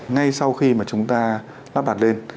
ngay sau khi mà chúng ta lắp đặt lên